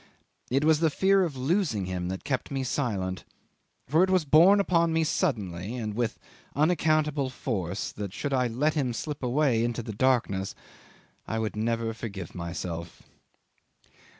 It was the fear of losing him that kept me silent, for it was borne upon me suddenly and with unaccountable force that should I let him slip away into the darkness I would never forgive myself.